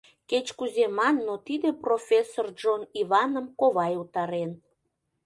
Кеч-кузе ман, но тиде профессор Джон-Иваным ковай утарен.